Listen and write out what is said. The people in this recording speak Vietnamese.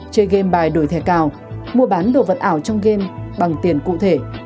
chơi game bài đổi thẻ cào mua bán đồ vật ảo trong game bằng tiền cụ thể